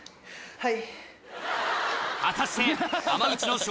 はい。